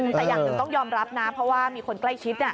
แต่อย่างหนึ่งต้องยอมรับนะเพราะว่ามีคนใกล้ชิด